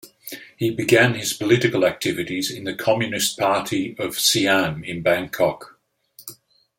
He began his political activities in the Communist Party of Siam in Bangkok.